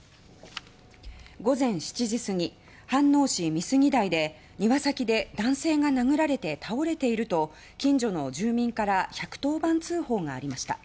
午前７時すぎ飯能市美杉台で庭先で男性が殴られて倒れていると近所の住民から１１０番通報がありました。